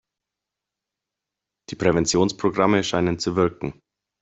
Die Präventionsprogramme scheinen zu wirken.